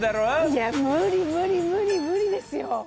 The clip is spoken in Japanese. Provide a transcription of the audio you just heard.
いや無理無理無理無理ですよ。